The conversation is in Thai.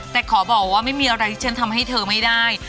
แต่ขอบอกว่าไม่มีอะไรที่ฉันทำให้เธอไม่ได้